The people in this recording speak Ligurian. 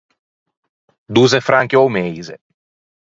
Dozze franchi a-o meise.